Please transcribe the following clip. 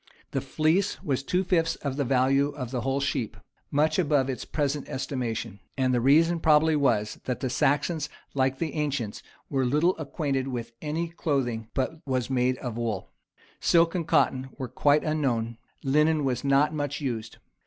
The fleece was two fifths of the value of the whole sheep,[*] much above its present estimation; and the reason probably was, that the Saxons, like the ancients, were little acquainted with any clothing but what was made of wool. Silk and cotton were quite unknown: linen was not much used.